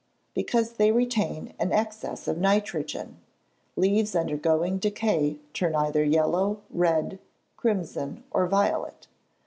_ Because they retain an excess of nitrogen. Leaves undergoing decay turn either yellow, red, crimson, or violet.